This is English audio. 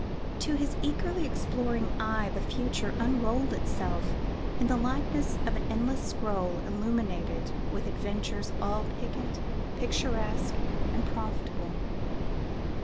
To his eagerly exploring eye the future unrolled itself in the likeness of an endless scroll illuminated with adventures all piquant, picturesque, and profitable.